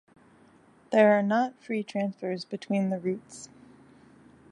There are not free transfers between the routes.